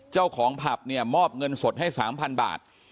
เจ้าของผับเนี่ยมอบเงินสดให้๓๐๐บาท